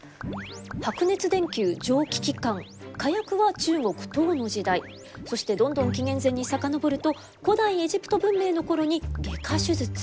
白熱電球蒸気機関火薬は中国唐の時代そしてどんどん紀元前に遡ると古代エジプト文明の頃に外科手術。